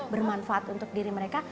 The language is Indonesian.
bermanfaat untuk diri mereka